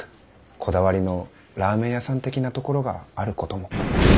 こだわりのラーメン屋さん的なところがあることも。